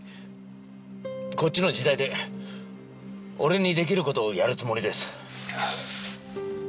こっちの時代で俺にできる事をやるつもりです。